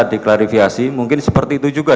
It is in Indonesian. diklarifikasi mungkin seperti itu juga